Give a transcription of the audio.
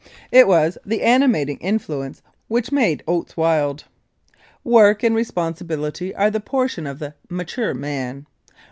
It was the animating influence which made oats wild. Work and responsibility are the portion of the mature man.